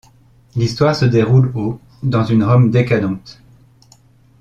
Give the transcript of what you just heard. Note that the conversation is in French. L'histoire se déroule au dans une Rome décadente.